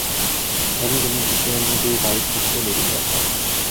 Хорин дөрвөн жилийн өмнө би баяр хөөртэй нэгэн байлаа.